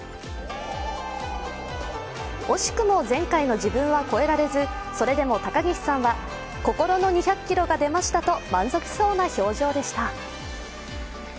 惜しくも前回の自分は超えられず、それでも高岸さんは、心の２００キロが出ましたと満足そうな表情でした。